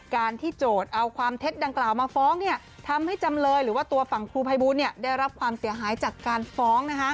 การที่โจทย์เอาความเท็จดังกล่าวมาฟ้องทำให้จำเลยหรือว่าตัวฝั่งครูภัยบูลได้รับความเสียหายจากการฟ้อง